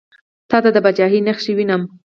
تاته د پاچهي نخښې وینم.